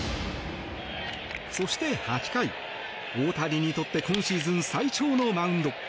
そして８回、大谷にとって今シーズン最長のマウンド。